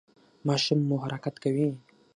ماشوم مو حرکت کوي؟